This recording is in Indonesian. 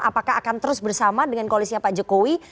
apakah akan terus bersama dengan koalisnya pak jokowi